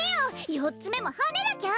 よっつめもはねなきゃ！